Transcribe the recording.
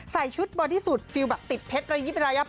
ใส่ชุดบอดีสุว์ฟิวดูแบบติดเผ็ดไรงี้เป็นรายับ